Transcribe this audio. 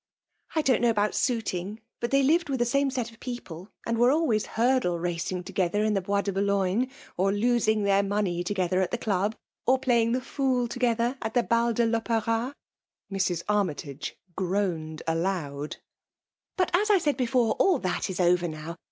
" I don t know about suiting ; but they lived with the same set of people, and were always hurdle racing together in the Bdis de Boulogne, or losing their money together at the Club, or playing the fool together at the *a/ de lOperar Mrs. Armytage groaned aloud. " But as I said before*, all thai is over now.